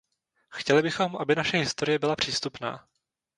Chtěli bychom, aby naše historie byla přístupná.